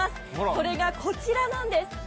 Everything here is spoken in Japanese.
それがこちらなんです。